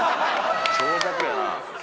長尺やな。